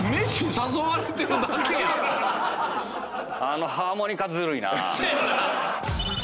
あのハーモニカずるいなぁ。